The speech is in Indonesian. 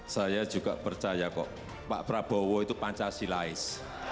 saya juga percaya kok pak prabowo itu pancasilais